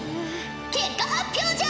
結果発表じゃ！